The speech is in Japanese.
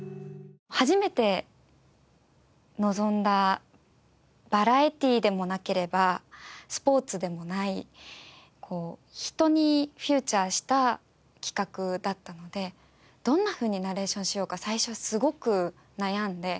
初めて臨んだバラエティでもなければスポーツでもない人にフューチャーした企画だったのでどんなふうにナレーションしようか最初すごく悩んで。